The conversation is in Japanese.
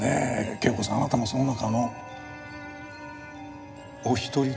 啓子さんあなたもその中のお一人ですよね？